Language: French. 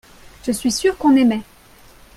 je suis sûr qu'on aimaient.